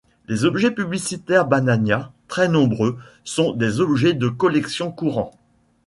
Les objets publicitaires Banania, très nombreux, sont des objets de collection courants.